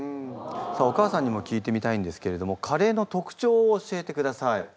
さあお母さんにも聞いてみたいんですけれどもカレーの特徴を教えてください。